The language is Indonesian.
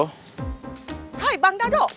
hai bang dado